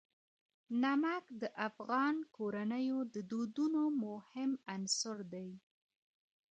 نمک د افغان کورنیو د دودونو مهم عنصر دی.